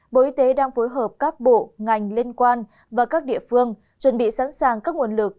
bộ y tế đang phối hợp các bộ ngành liên quan và các địa phương chuẩn bị sẵn sàng các nguồn lực